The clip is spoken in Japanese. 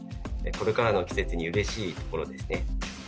これからの季節に嬉しいところですね